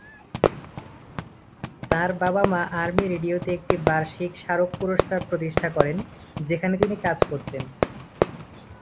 তার বাবা-মা আর্মি রেডিওতে একটি বার্ষিক স্মারক পুরস্কার প্রতিষ্ঠা করেন, যেখানে তিনি কাজ করতেন।